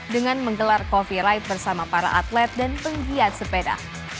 dengan menggelar coffee right bersama para atlet dan penggiat sepeda